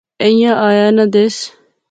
ایہھاں آیا ناں دیس